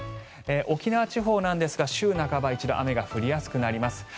沖縄地方なんですが週半ば一度雨が降りやすくなります。